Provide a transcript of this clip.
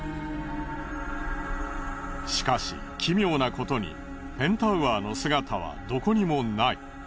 しかし奇妙なことにペンタウアーの姿はどこにもない。